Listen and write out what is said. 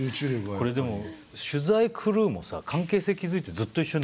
これでも取材クルーもさ関係性築いてずっと一緒に乗るわけ。